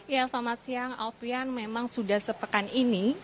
ya selamat siang alfian memang sudah sepekan ini